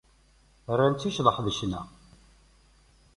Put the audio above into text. Rran-tt i ccḍeḥ d ccna.